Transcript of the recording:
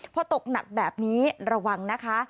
พอตกหนักแบบนี้ระวังนะคะ